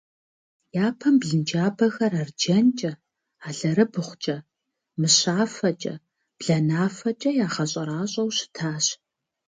Япэм блынджабэхэр арджэнкӏэ, алэрыбгъукӏэ, мыщафэкӏэ, бланафэкӏэ ягъэщӏэращӏэу щытащ.